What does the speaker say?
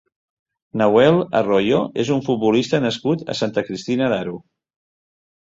Nahuel Arroyo és un futbolista nascut a Santa Cristina d'Aro.